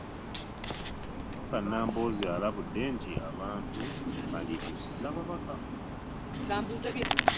Omubaka Nambooze alabudde nti abantu bandyekyusizza ababaka